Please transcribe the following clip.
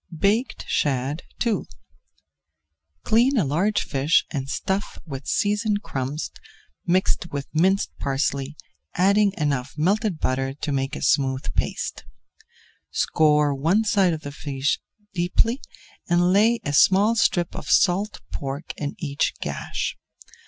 BAKED SHAD II Clean a large fish and stuff with seasoned crumbs mixed with minced parsley, adding enough melted butter to make a smooth paste. Score one side of the fish deeply and lay a small strip of salt pork in each gash.